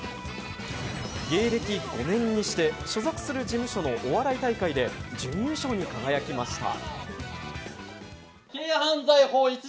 芸歴５年にして所属する事務所のお笑い大会で準優勝に輝きました。